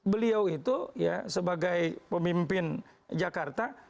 beliau itu ya sebagai pemimpin jakarta